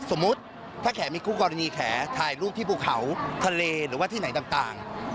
สมมุติถ้าแขกมีคู่กรณีแขถ่ายรูปที่ภูเขาทะเลหรือว่าที่ไหนต่าง